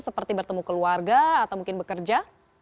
seperti bertemu keluarga atau mungkin bekerja